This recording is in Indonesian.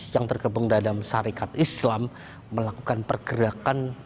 yang terkebun dalam sarekat islam melakukan pergerakan